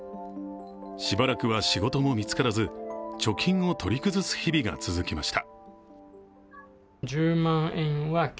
しばらくは仕事も見つからず貯金を取り崩す日々が続きました。